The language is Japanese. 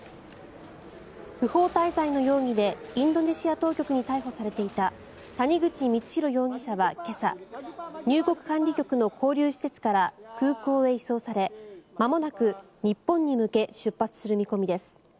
不法滞在の容疑でインドネシア当局に逮捕されていた谷口光弘容疑者は今朝入国管理局の勾留施設から空港へ移送されまもなく日本へ向け出発する見込みです。